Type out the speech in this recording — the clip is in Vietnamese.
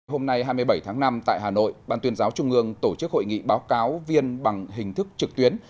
hôm nay hai mươi bảy tháng năm tại hà nội ban tuyên giáo trung ương tổ chức hội nghị báo cáo viên bằng hình thức trực tuyến